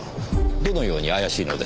どのように怪しいのでしょう。